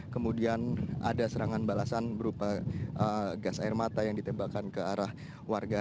kemudian ada serangan balasan berupa gas air mata yang ditembakkan ke arah warga